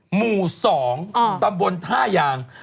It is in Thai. หมู่๒ตำบลท่ายาง